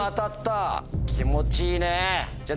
気持ちいいね。